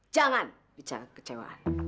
jangan bicara kekecewaan